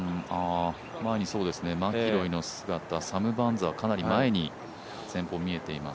前方、マキロイの姿、サム・バーンズはかなり前に前方、見えています。